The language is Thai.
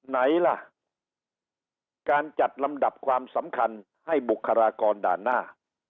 ไหนล่ะการจัดลำดับความสำคัญให้บุคลากรด่านหน้า